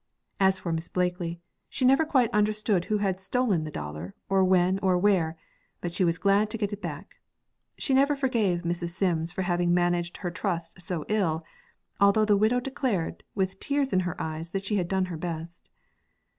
As for Miss Blakely, she never quite understood who had stolen the dollar, or when, or where; but she was glad to get it back. She never forgave Mrs. Sims for having managed her trust so ill, although the widow declared, with tears in her eyes, that she had done her best.